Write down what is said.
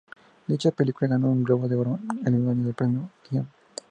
Dicha película ganó un Globo de Oro el mismo año al mejor guion.